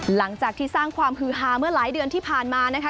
หลังจากที่สร้างความฮือฮาเมื่อหลายเดือนที่ผ่านมานะคะ